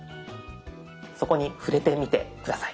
そこに触れてみて下さい。